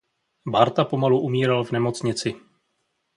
Bárta pomalu umíral v nemocnici.